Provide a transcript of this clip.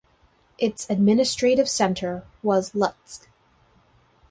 Its administrative centre was Lutsk.